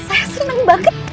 saya seneng banget